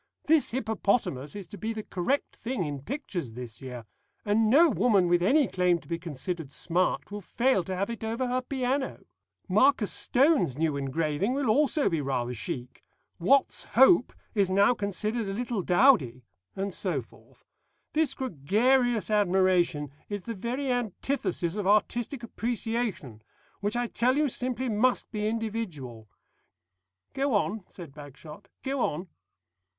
This Hippopotamus is to be the correct thing in pictures this year, and no woman with any claim to be considered smart will fail to have it over her piano. Marcus Stone's new engraving will also be rather chic. Watts's Hope is now considered a little dowdy.' And so forth. This gregarious admiration is the very antithesis of artistic appreciation, which I tell you, simply must be individual." "Go on," said Bagshot, "go on."